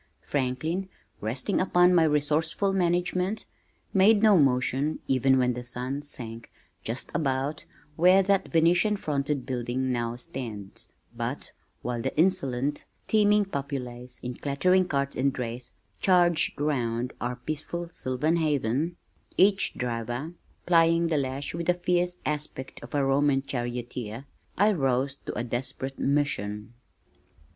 Franklin, resting upon my resourceful management, made no motion even when the sun sank just about where that Venetian fronted building now stands, but whilst the insolent, teeming populace in clattering carts and drays charged round our peaceful sylvan haven (each driver plying the lash with the fierce aspect of a Roman charioteer) I rose to a desperate mission.